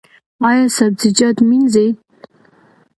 ایا سبزیجات مینځئ؟